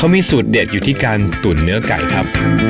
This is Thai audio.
มีสูตรเด็ดอยู่ที่การตุ๋นเนื้อไก่ครับ